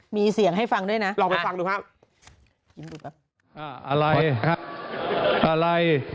มีเสียงให้ฟังด้วยนะลองไปฟังดูครับยิ้มดูครับอ่าอะไรครับอะไร